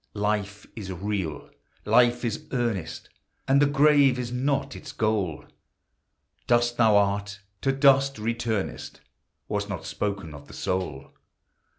Life is real! Life is earnest! And the grave is not its goal ; Dust thou art, to dust returnest, Was not spoken of the soul.